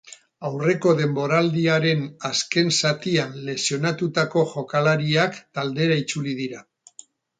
Aurreko denboraldiaren azken zatian lesionatutako jokalariak taldera itzuli dira.